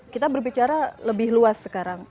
kita berbicara lebih luas sekarang